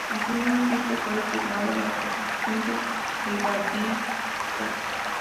Asimismo, Tito fue asignado a la asociación de brigadistas.